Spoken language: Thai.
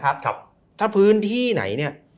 ถ้าพื้นที่ไหนเนี่ย